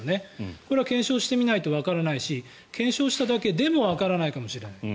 これは検証してみないとわからないし検証しただけでもわからないかもしれない。